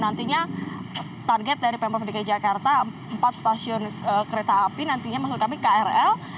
nantinya target dari pemprov dki jakarta empat stasiun kereta api nantinya maksud kami krl